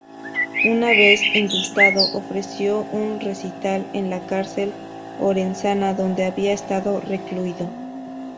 Una vez indultado, ofreció un recital en la cárcel orensana donde había estado recluido.